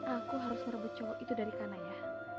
aku harus ngerebut cowok itu dari kanaya